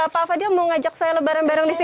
pak fadil mau ngajak saya lebaran bareng di sini